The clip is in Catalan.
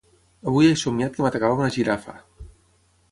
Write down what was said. Avui he somiat que m'atacava una Girafa.